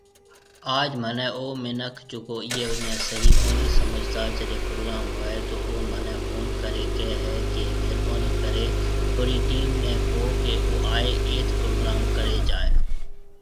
آج مهني او منک جڪو ايئي ني صحيح ڪو ۿمجھتا جڏي پروگرام هوئي تو او مهني فون ڪري ڪي هي ڪي مهربوني ڪري ٿونري ٽيم ني ڪو ڪي او آئي ايٿ پروگرام ڪري جائي